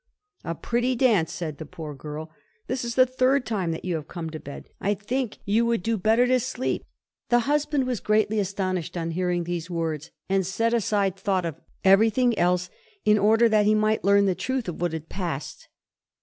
"A pretty dance!" said the poor girl. "This is the third time that you have come to bed. I think you would do better to sleep." The husband was greatly astonished on hearing these words, and set aside thought of everything else in order that he might learn the truth of what had passed.